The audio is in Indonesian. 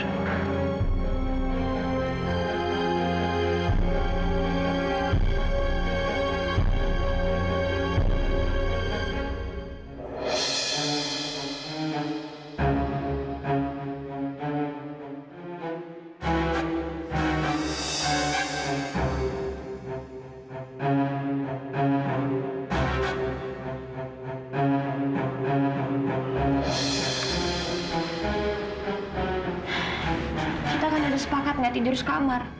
kita kan udah sepakat nggak tidur di kamar